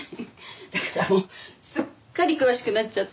だからもうすっかり詳しくなっちゃって。